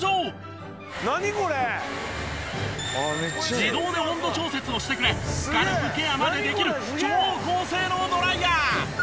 自動で温度調節をしてくれスカルプケアまでできる超高性能ドライヤー。